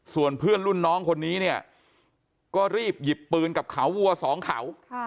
ส่วนเพื่อนรุ่นน้องคนนี้เนี่ยก็รีบหยิบปืนกับเขาวัวสองเขา